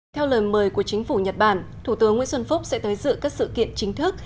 theo lời mời của chính phủ nhật bản thủ tướng nguyễn xuân phúc sẽ tới dự các sự kiện chính thức